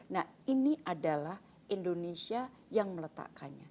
nah ini adalah indonesia yang meletakkannya